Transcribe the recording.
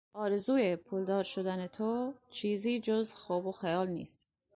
آرزوی پولدار شدن تو چیزی جز خواب و خیال نیست.